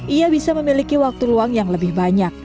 ia bisa memiliki waktu luang yang lebih banyak